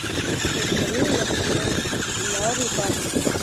د سړي له خولې لاړې باد شوې.